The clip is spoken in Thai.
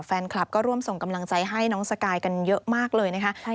แฟนคลับก็ร่วมส่งกำลังใจให้น้องสกายกันเยอะมากเลยนะคะ